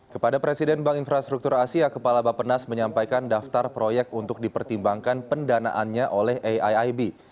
kepada presiden bank infrastruktur asia kepala bapenas menyampaikan daftar proyek untuk dipertimbangkan pendanaannya oleh aiib